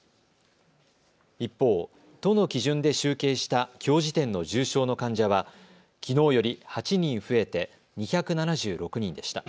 一方、都の基準で集計したきょう時点の重症の患者はきのうより８人増えて２７６人でした。